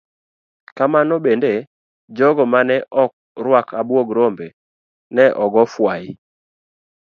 Kamano bende, jogo mane ok ruak abuog rombe ne ogo fwai.